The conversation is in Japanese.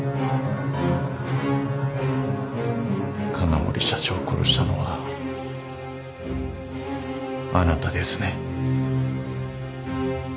金森社長を殺したのはあなたですね？